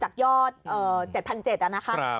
จากยอด๗๗๐๐นะคะ